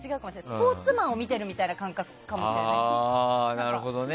スポーツマンを見てる感覚かもしれないです。